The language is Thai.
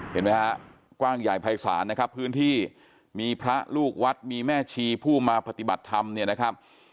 เห็นไหมฮะกว้างใหญ่ภายศาลนะครับพื้นที่มีพระลูกวัดมีแม่ชีผู้มาปฏิบัติธรรมเนี่ยนะครับ